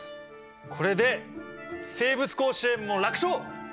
これで生物甲子園も楽勝！